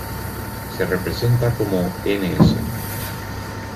Se representa como ns.